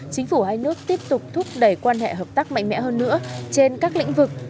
chính phủ hai nước tiếp tục thúc đẩy quan hệ hợp tác mạnh mẽ hơn nữa trên các lĩnh vực